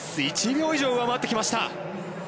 １秒以上上回ってきました。